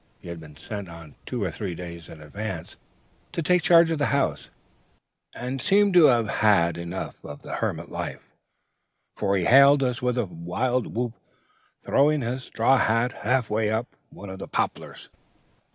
He had been sent on two or three days in advance, to take charge of the house, and seemed to have had enough of hermit life, for he hailed us with a wild whoop, throwing his straw hat half way up one of the poplars.